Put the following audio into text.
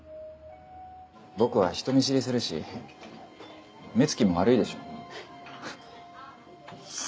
僕は人見知りするし目つきも悪いでしょう